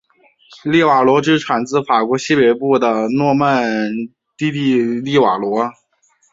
利瓦罗芝士产自法国西北部的诺曼第的利瓦罗。